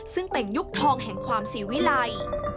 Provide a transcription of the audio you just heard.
ซึ่งเป็นยุคทองแห่งความศรีวิลัย